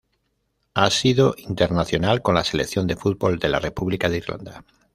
Ha sido internacional con la selección de fútbol de la República de Irlanda.